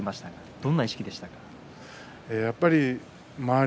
どんな意識でしたか？